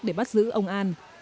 để bắt giữ ở hàn quốc